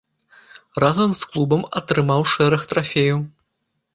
Разам з клубам атрымаў шэраг трафеяў.